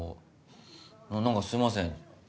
何かすいません。